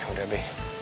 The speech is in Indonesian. ya udah be